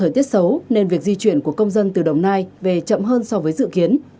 tết xấu nên việc di chuyển của công dân từ đồng nai về chậm hơn so với dự kiến